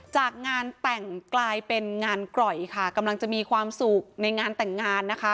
จากงานแต่งกลายเป็นงานกร่อยค่ะกำลังจะมีความสุขในงานแต่งงานนะคะ